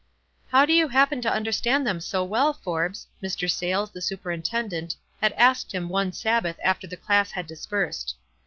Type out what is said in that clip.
' f How do you happen to understand them so well, Forbes?" Mr. Sayles, the superintendent, had asked him one Sabbath after the class had dispersed.